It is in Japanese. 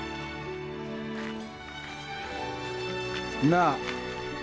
なあ。